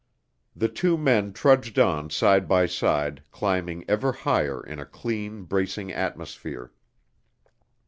The two men trudged on side by side climbing ever higher in a clean, bracing atmosphere.